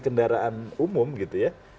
kendaraan umum gitu ya